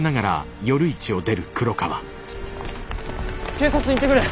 警察に言ってくれ！